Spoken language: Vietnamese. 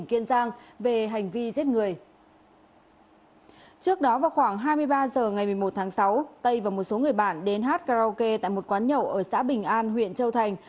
trước đó vào khoảng hai mươi ba h ngày một mươi một tháng sáu tây và một số người bạn đến hát karaoke tại một quán nhậu ở xã bình an huyện châu thành